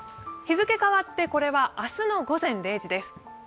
日付変わって明日の午前０時です。